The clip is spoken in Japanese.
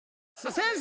先生